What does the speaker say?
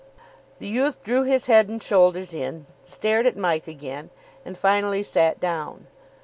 The youth drew his head and shoulders in, stared at Mike again, and finally sat down.